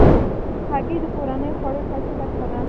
هګۍ د کورنیو خوړو اساسي برخه ده.